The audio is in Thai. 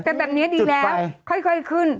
แต่แบบนี้ดีแล้วค่อยขึ้น